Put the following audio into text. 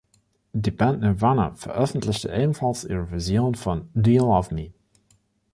Die Band Nirvana veröffentlichte ebenfalls ihre Version von „Do You Love Me“?